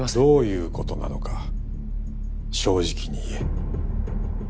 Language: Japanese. どういうことなのか正直に言え。